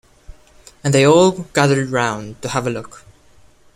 And they all gathered round to have a look.